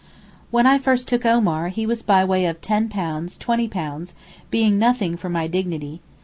When I first took Omar he was by way of 'ten pounds, twenty pounds,' being nothing for my dignity.